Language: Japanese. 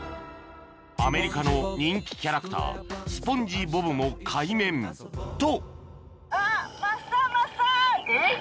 アメリカの人気キャラクタースポンジ・ボブも海綿と！